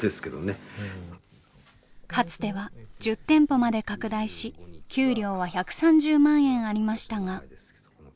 かつては１０店舗まで拡大し給料は１３０万円ありましたが。